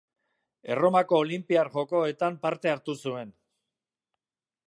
Erromako Olinpiar Jokoetan parte hartu zuen.